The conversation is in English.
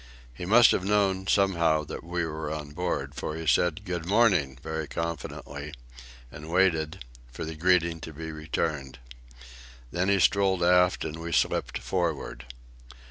He must have known, somehow, that we were on board, for he said "Good morning" very confidently, and waited for the greeting to be returned. Then he strolled aft, and we slipped forward.